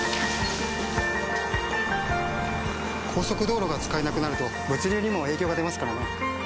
速道路が使えなくなると物流にも影響が出ますからね。